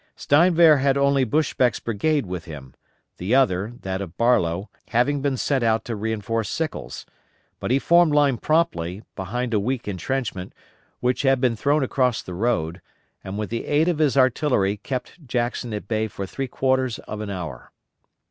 Steinwehr had only Buschbeck's brigade with him; the other that of Barlow having been sent out to reinforce Sickles; but he formed line promptly, behind a weak intrenchment, which had been thrown across the road, and with the aid of his artillery kept Jackson at bay for three quarters of an hour.